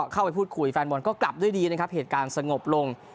เข้าไปพูดคุยแฟนบอลก็กลับด้วยดีนะครับเหตุการณ์สงบลง